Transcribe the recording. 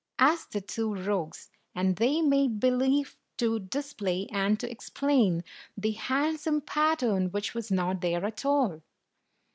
asked the two rogues ; and they made believe to dis play and to explain the handsome pattern which was not there at all.